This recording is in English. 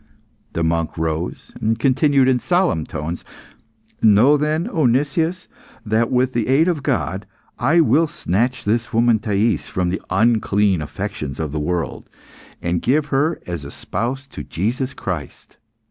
The monk rose, and continued in solemn tones "Know then, O Nicias, that, with the aid of God, I will snatch this woman Thais from the unclean affections of the world, and give her as a spouse to Jesus Christ.